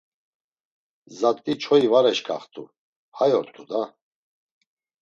Zat̆i çoyi var eşǩaxt̆u hay ort̆u da!